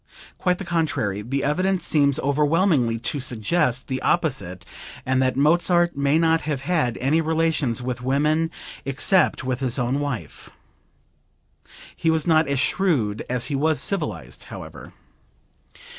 Quite the contrary, the evidence seems overwhelmingly to suggest the opposite, and that Mozart may not have had any relations with women except with his own wife. He was not as shrewd as he was civilized, however.